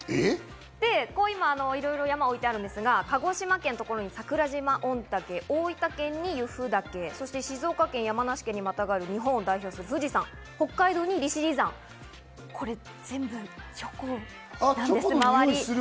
今、いろいろ山が置いてあるんですが、鹿児島県の所に桜島御岳、大分県に由布岳、静岡県・山梨県にまたがる富士山、北海道・利尻山、これ全部、チョコです。